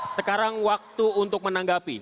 sekarang waktu untuk menanggapi